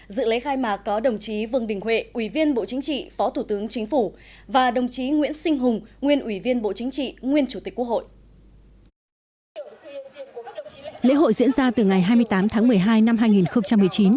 dự lễ khai mạc có đồng chí vương đình huệ ubnd phó thủ tướng chính phủ và đồng chí nguyễn sinh hùng ubnd nguyên chủ tịch quốc hội